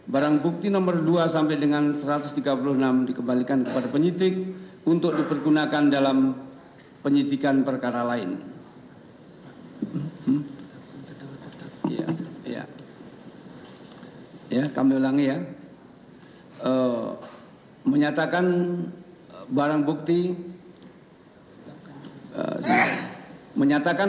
barang bukti nomor dua sampai dengan satu ratus tiga puluh enam dikembalikan kepada penyitik untuk dipergunakan dalam penyitikan perkara lain